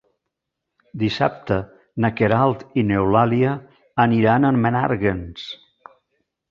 Dissabte na Queralt i n'Eulàlia aniran a Menàrguens.